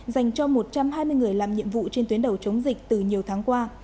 dành cho một trăm hai mươi người làm nhiệm vụ trên tuyến đầu chống dịch từ nhiều tháng qua